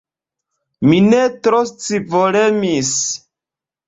Mi ne tro scivolemis.